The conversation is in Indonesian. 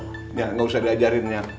nggak nggak usah diajarinnya